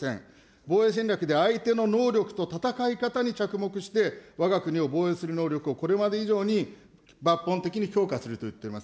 防衛戦略で相手の能力と戦い方に着目して、わが国を防衛する能力をこれまで以上に抜本的に強化するといっています。